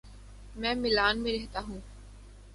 میں میلان میں رہتا ہوں